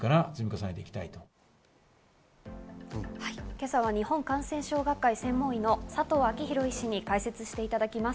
今朝は日本感染症学会専門医の佐藤昭裕医師に解説していただきます。